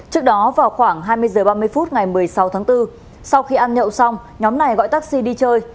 trước đó vào khoảng hai mươi h ba mươi phút ngày một mươi sáu tháng bốn sau khi ăn nhậu xong nhóm này gọi taxi đi chơi